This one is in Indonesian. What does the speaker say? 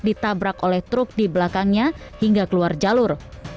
ditabrak oleh truk di belakangnya hingga keluar jalur